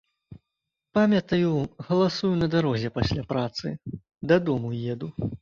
Памятаю, галасую на дарозе пасля працы, дадому еду.